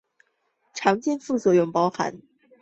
常见副作用包含恶心和昏睡。